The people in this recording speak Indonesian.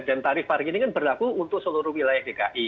dan tarif parkir ini kan berlaku untuk seluruh wilayah dki